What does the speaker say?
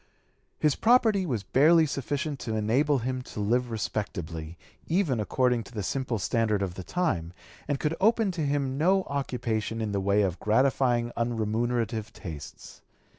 His property was barely sufficient to enable him to live respectably, even according to the simple standard of the time, and could open to him no occupation in the way of gratifying unremunerative tastes.